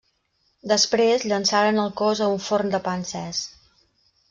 Després, llençaren el cos a un forn de pa encès.